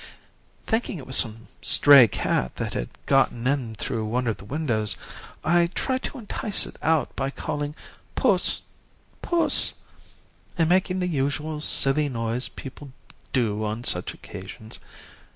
Thinking it was some stray cat that had got in through one of the windows, I tried to entice it out, by calling "Puss, puss," and making the usual silly noise people do on such occasions.